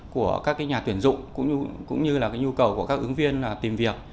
của các nhà tuyển dụng cũng như là cái nhu cầu của các ứng viên tìm việc